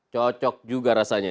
cocok juga rasanya